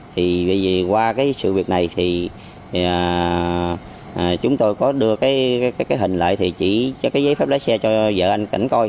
thì vì gì qua cái sự việc này thì chúng tôi có đưa cái hình lại thì chỉ cho cái giấy phép lái xe cho vợ anh cảnh coi